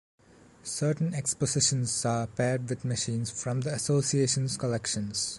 Certain expositions are paired with machines from the Association’s collections.